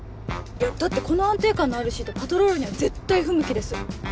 だってこの安定感のあるシートパトロールには絶対不向きです。